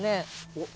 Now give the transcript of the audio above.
おっ。